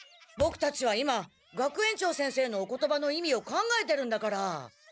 ボクたちは今学園長先生のお言葉の意味を考えてるんだから！